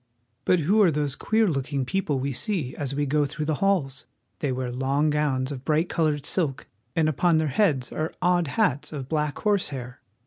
But who are those queer looking people we see as we go through the halls? They wear long gowns of bright colored silk, and upon their heads are odd hats of black horsehair.